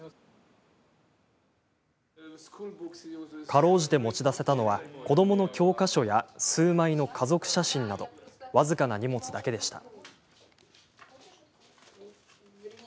かろうじて持ち出せたのは子どもの教科書や数枚の家族写真など僅かな荷物だけでした。